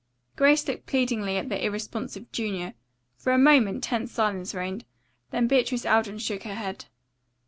Grace looked pleadingly at the irresponsive junior. For a moment tense silence reigned. Then Beatrice Alden shook her head.